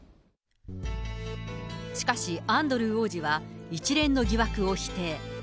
しかし、アンドルー王子は一連の疑惑を否定。